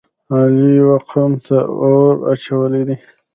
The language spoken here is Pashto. علی یوه قوم ته اور اچولی دی.